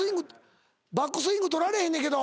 バックスイングとられへんねんけど。